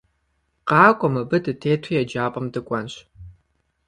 Къакӏуэ, мыбы дытету еджапӏэм дыкӏуэнщ!